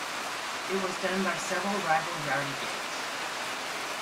It was done by several rival yardie gangs.